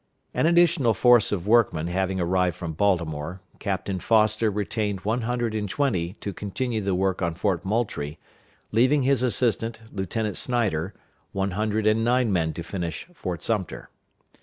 An additional force of workmen having arrived from Baltimore, Captain Foster retained one hundred and twenty to continue the work on Fort Moultrie, leaving his assistant, Lieutenant Snyder, one hundred and nine men to finish Fort Sumter.